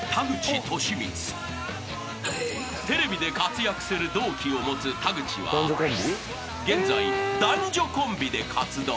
［テレビで活躍する同期を持つ田口は現在男女コンビで活動］